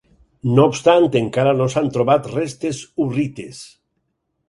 No obstant encara no s'han trobat restes hurrites.